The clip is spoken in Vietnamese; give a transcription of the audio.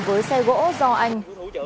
với xe gỗ do anh